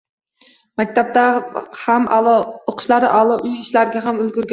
Maktabda ham o`qishlari a`lo, uy ishlariga ham ulgurgan